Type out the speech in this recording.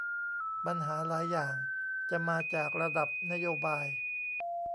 ปัญหาหลายอย่างจะมาจากระดับนโยบาย